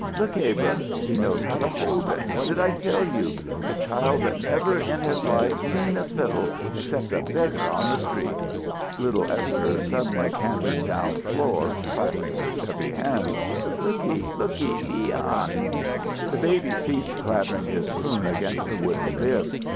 "Look, Abrahm! He knows how to hold it! What did I tell you? A child that never in his life seen a fiddle, except a beggar's on the street!" Little Esther suddenly cantered down floor, clapping her chubby hands. "Looky looky Leon!" The baby ceased clattering his spoon against the wooden bib.